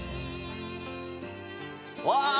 うわ！